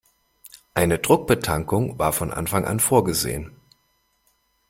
Eine Druckbetankung war von Anfang an vorgesehen.